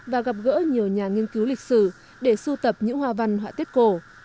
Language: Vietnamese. và gặp gỡ nhiều nhà nghiên cứu lịch sử để sưu tập những hoa văn họa tiết cổ